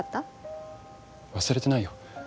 忘れてないよ。